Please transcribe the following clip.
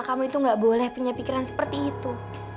raka kamu itu nggak boleh punya pikiran seperti itu